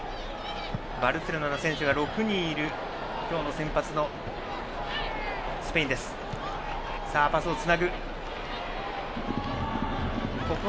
バルセロナの選手が６人いる今日のスペインの先発です。